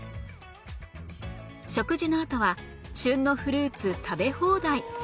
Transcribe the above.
食事のあとは旬のフルーツ食べ放題